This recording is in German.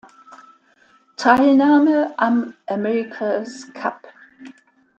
Teilnahme am America’s Cup.